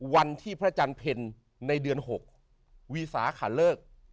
วันที่พระจันทร์เพลในเดือน๖วีสาขาเลิก